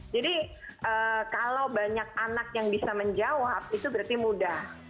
jadi kalau banyak anak yang bisa menjawab itu berarti mudah